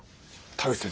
田口先生。